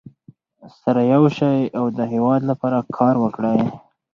سره یو شئ او د هېواد لپاره کار وکړئ.